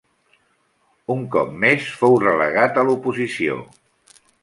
Un cop més fou relegat a l'oposició.